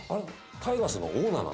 タイガースのオーナーなの？